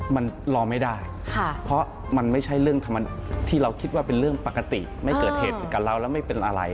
มันรอไม่ได้เพราะมันไม่ใช่เรื่องที่เราคิดว่าเป็นเรื่องปกติไม่เกิดเหตุกับเราแล้วไม่เป็นอะไร